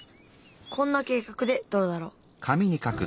こんな計画でどうだろう。